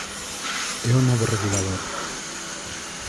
É o novo regulador.